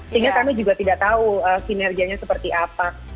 sehingga kami juga tidak tahu kinerjanya seperti apa